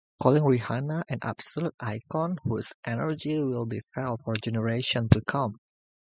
Calling Rihanna an "absolute icon" whose "energy will be felt for generations to come".